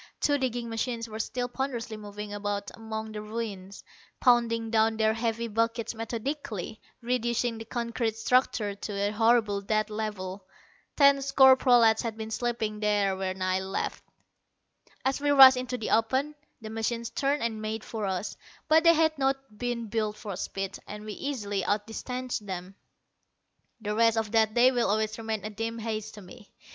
Two digging machines were still ponderously moving about among the ruins, pounding down their heavy buckets methodically, reducing the concrete structure to a horrible dead level. Ten score prolats had been sleeping there when I left. As we rushed into the open, the machines turned and made for us; but they had not been built for speed, and we easily outdistanced them. The rest of that day will always remain a dim haze to me.